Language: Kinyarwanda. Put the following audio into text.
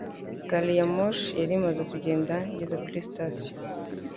Gari ya moshi yari imaze kugenda ngeze kuri sitasiyo.